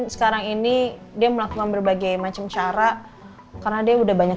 sekarang ini dia melakukan berbagai macam cara karena dia udah banyak